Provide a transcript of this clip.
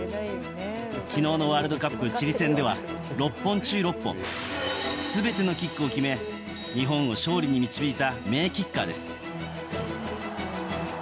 昨日のワールドカップチリ戦では６本中６本、全てのキックを決め日本を勝利に導いた名キッカーです。